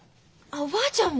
おばあちゃんも？